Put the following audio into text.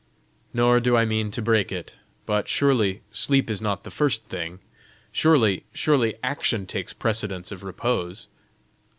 "Nor do I mean to break it. But surely sleep is not the first thing! Surely, surely, action takes precedence of repose!"